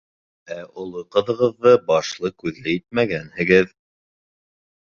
Ә оло ҡыҙығыҙҙы башлы-күҙле итмәгәнһегеҙ.